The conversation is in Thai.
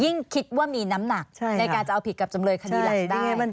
คิดว่ามีน้ำหนักในการจะเอาผิดกับจำเลยคดีหลักได้